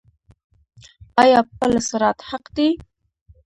آیا پل صراط حق دی؟